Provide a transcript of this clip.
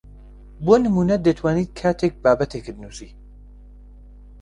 بۆ نموونە دەتوانیت کاتێک بابەتێکت نووسی